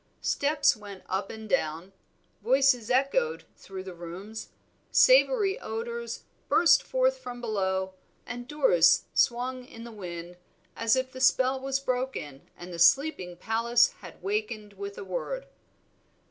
Steps went up and down, voices echoed through the rooms, savory odors burst forth from below, and doors swung in the wind, as if the spell was broken and the sleeping palace had wakened with a word.